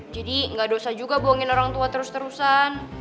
jadi nggak dosa juga buangin orang tua terus terusan